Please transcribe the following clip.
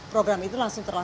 program itu langsung berjalan